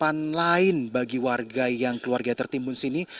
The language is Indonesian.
harapan lain bagi warga yang keluarga tertimbun sini